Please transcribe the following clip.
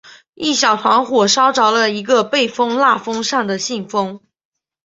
一小团火烧着了一个被封蜡封上的信封。